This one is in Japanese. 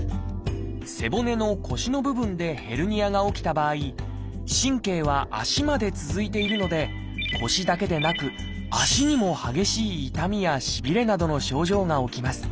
背骨の腰の部分でヘルニアが起きた場合神経は足まで続いているので腰だけでなく足にも激しい痛みやしびれなどの症状が起きます。